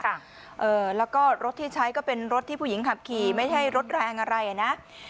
เอ่อแล้วก็รถที่ใช้ก็เป็นรถที่ผู้หญิงขับขี่ไม่ใช่รถแรงอะไรอ่ะนะ